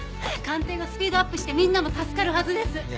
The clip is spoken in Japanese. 鑑定がスピードアップしてみんなも助かるはずです。